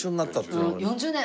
４０年。